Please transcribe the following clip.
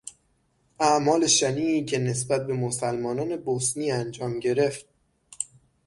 اعمال شنیعی که نسبت به مسلمانان بوسنی انجام گرفت